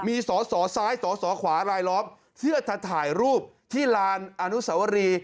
มีสอสอซ้ายสอสอขวารายล้อมเพื่อจะถ่ายรูปที่ลานอนุสวรี